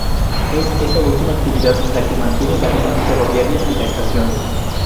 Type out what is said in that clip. Es esta última actividad la que mantiene la vida ferroviaria de la estación.